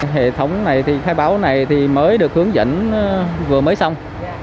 hệ thống này thì khai báo này thì mới được hướng dẫn vừa mới xong